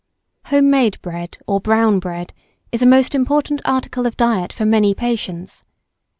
Home made bread or brown bread is a most important article of diet for many patients.